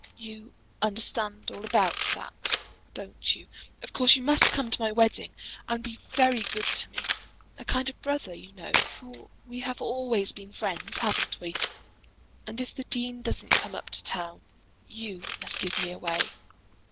You understand all about that; don't you? Of course you must come to my wedding, and be very good to me, a kind of brother, you know; for we have always been friends; haven't we? And if the dean doesn't come up to town, you must give me away.